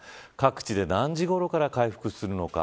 各地で何時ごろから回復するのか。